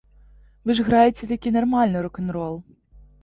Вы ж граеце такі нармальны рок-н-рол.